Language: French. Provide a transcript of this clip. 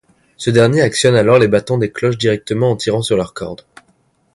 Ce dernier actionne alors les battants des cloches directement en tirant sur leurs cordes.